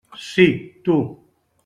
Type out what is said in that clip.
Sí, tu.